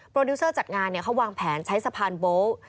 โปรดิวเซอร์จากงานเนี่ยเขาวางแผนใช้สะพานโบ๊ค